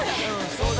そうだ。